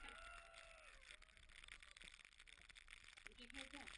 সিরিজের দ্বিতীয় ওয়ানডে শেষে ড্রেসিংরুমের সামনে তামিম ইকবালকে ধাক্কা দিয়েছিলেন বেন স্টোকস।